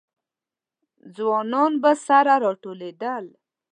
ځوانان به سره راټولېدل.